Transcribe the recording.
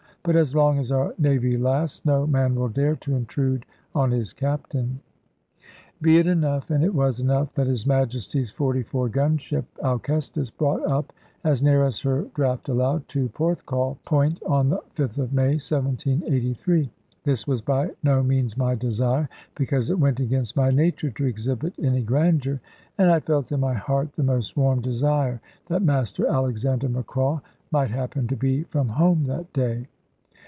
But as long as our Navy lasts, no man will dare to intrude on his Captain. Be it enough, and it was enough, that his Majesty's 44 gun ship Alcestis brought up, as near as her draught allowed, to Porthcawl Point, on the 5th of May 1783. This was by no means my desire, because it went against my nature to exhibit any grandeur. And I felt in my heart the most warm desire that Master Alexander Macraw might happen to be from home that day.